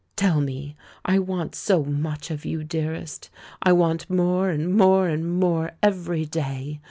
Tell me. I want so much of you, dearest ! I want more, and more, and more every day.